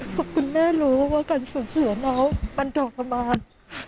ขอบคุณแม่รู้ว่าการสูงสั่วน้องมันทรมาน